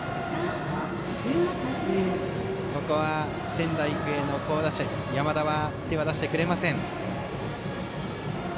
ここは、仙台育英の好打者の山田手を出してくれません。